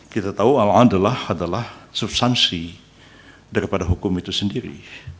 kita tahu al an adalah subsansi daripada hukum itu sendiri